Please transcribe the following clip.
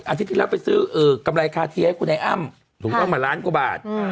อาทิตย์ที่เราไปซื้อกำไรคาเทียให้คุณไอ้อ้ำถูกต้องหมดล้านกว่าบาท